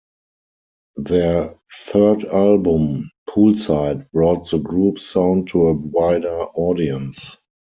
Their third album, "Poolside", brought the group's sound to a wider audience.